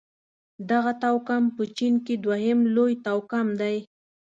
دغه توکم په چين کې دویم لوی توکم دی.